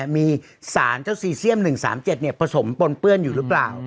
มีสารเจ้าซีเซียม๑๓๗ผสมปนเปื้อนอยู่หรือเปล่า